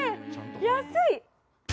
安い！